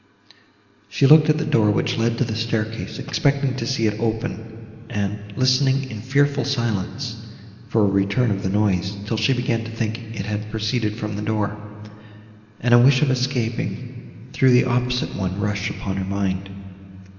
She looked at the door, which led to the staircase, expecting to see it open, and listening, in fearful silence, for a return of the noise, till she began to think it had proceeded from this door, and a wish of escaping through the opposite one rushed upon her mind.